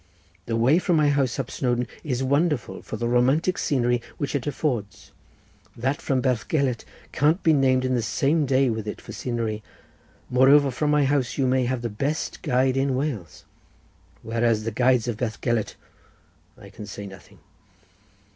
The way from my house up Snowdon is wonderful for the romantic scenery which it affords; that from Bethgelert can't be named in the same day with it for scenery; moreover, from my house you may have the best guide in Wales; whereas the guides of Bethgelert—but I say nothing.